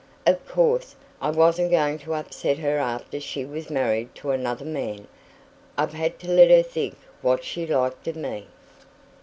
Of course, I wasn't going to upset her after she was married to another man. I've had to let her think what she liked of me."